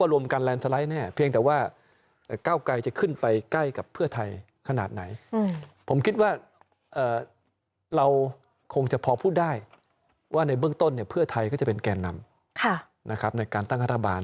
เราคงจะพอพูดได้ว่าในเบื้องต้นเพื่อไทยก็จะเป็นแก่นำในการตั้งฆาตบาล